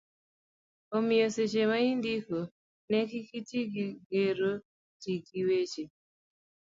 omiyo seche ma indiko ne kik iti gi gero, ti gi weche